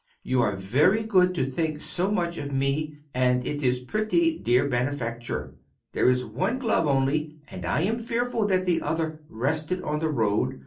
You are very good to think so much of me and it is very pretty, dear benefactor, There is one glove only, and I am fearful that the other rested on the road.